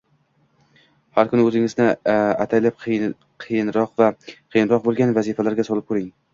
Har kuni o’zingizni ataylab qiyinroq va qiyinroq bo’lgan vaziyatlarga solib ko’ring